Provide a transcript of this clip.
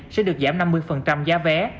sẽ được giảm năm mươi giá vé